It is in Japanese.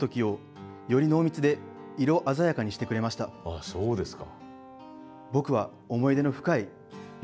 あそうですか。